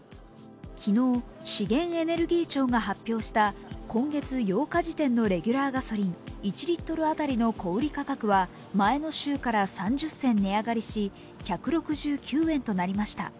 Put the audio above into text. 昨日、資源エネルギー庁が発表した今月８日時点のレギュラーガソリン、１リットル当たりの小売価格は前の週から３０銭値上がりし、１６９円となりました。